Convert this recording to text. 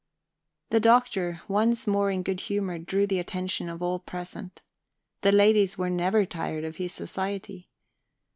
The Doctor, once more in good humor, drew the attention of all present. The ladies were never tired of his society.